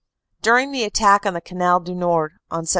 During the attack on the Canal du Nord on Sept.